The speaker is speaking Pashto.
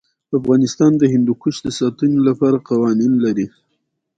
افغانستان د هندوکش د ساتنې لپاره قوانین لري.